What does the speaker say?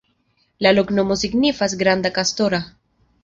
La loknomo signifas: granda-kastora.